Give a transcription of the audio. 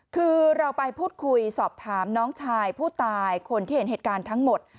คือเราไปพูดคุยสอบถามน้องชายผู้ตายคนที่เห็นเหตุการณ์ทั้งหมด